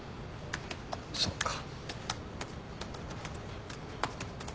そっか。